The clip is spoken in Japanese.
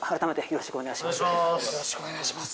よろしくお願いします